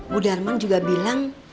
bu darman juga bilang